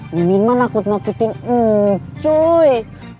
mimin mah nakut nakutin cuy